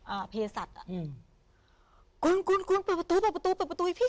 เพศัตว์อ่ะอืมคุณคุณเปิดประตูเปิดประตูเปิดประตูอีกพี่